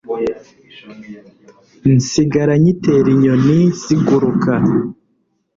nsigara nyitera inyoni ziguruka